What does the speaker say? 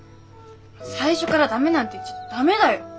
最初から駄目なんて言ってちゃ駄目だよ！